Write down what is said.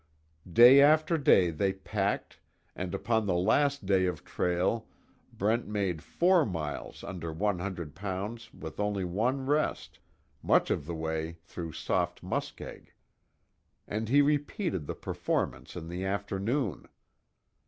Day after day they packed, and upon the last day of trail Brent made four miles under one hundred pounds with only one rest much of the way through soft muskeg. And he repeated the performance in the afternoon.